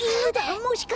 もしかして。